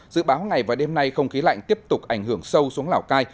dự báo ngày và đêm nay không khí lạnh tiếp tục ảnh hưởng sâu xuống lào cai